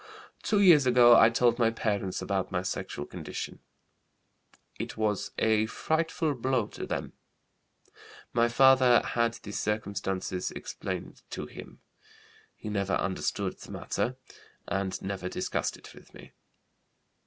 "Two years ago I told my parents about my sexual condition. It was a frightful blow to them. My father had the circumstances explained to him; he never understood the matter and never discussed it with me.